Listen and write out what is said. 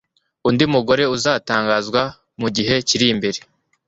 Undi mugore uzatangazwa mu gihe kiri imbere